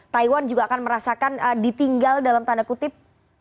taiwan juga akan merasakan ditinggal dalam tanda kutip